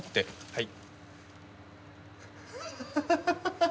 はい。